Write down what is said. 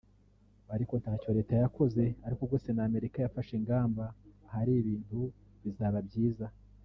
ariko ntacyo Leta yakoze ariko ubwo Sena y’Amerika yafashe ingamba ahari ibintu bizaba byiza”